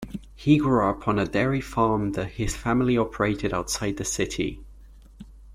He grew up on a dairy farm that his family operated outside the city.